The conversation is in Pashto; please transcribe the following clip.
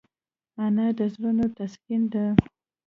انا د زړونو تسکین ده